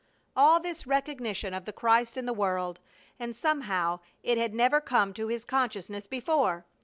All this recognition of the Christ in the world, and somehow it had never come to his consciousness before!